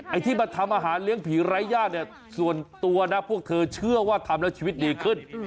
ไอ้ที่มาทำอาหารเลี้ยงผีไร้ญาติเนี่ยส่วนตัวนะพวกเธอเชื่อว่าทำแล้วชีวิตดีขึ้น